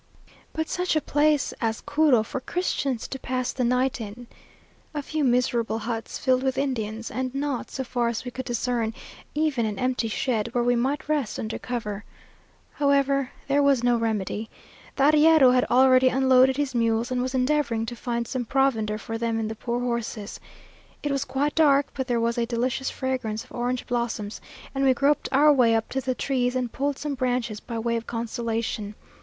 But such a place as Curu for Christians to pass the night in! A few miserable huts filled with Indians, and not, so far as we could discern, even an empty shed, where we might rest under cover. However, there was no remedy. The arriero had already unloaded his mules, and was endeavouring to find some provender for them and the poor horses. It was quite dark, but there was a delicious fragrance of orange blossoms, and we groped our way up to the trees, and pulled some branches by way of consolation.